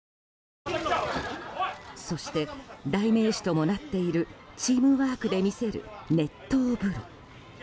そして、代名詞ともなっているチームワークで見せる熱湯風呂。